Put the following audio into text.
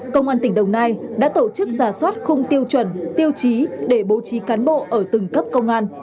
công an tỉnh đồng nai đã tổ chức giả soát khung tiêu chuẩn tiêu chí để bố trí cán bộ ở từng cấp công an